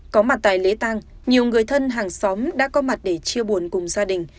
có mặt tại lễ tăng nhiều người thân hàng xóm đã có mặt để chia buồn cùng gia đình